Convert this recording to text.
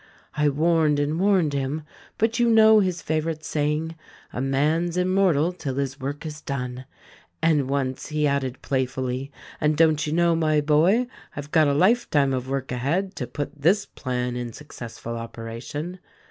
"I warned and warned him ; but you know his favorite saying: 'A man's immortal till his work is done' — and once he added playfully, 'And don't you know, my boy, I've got a lifetime of work ahead, to put this plan in successful opera tion